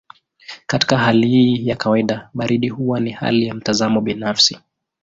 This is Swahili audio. Katika hali ya kawaida baridi huwa ni hali ya mtazamo binafsi.